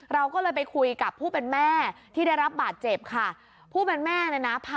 แล้วเหตุการณ์ให้กับนักข่าวของเราฟังเอาฟังบนแม่เราค่ะ